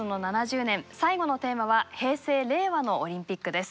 最後のテーマは「平成・令和のオリンピック」です。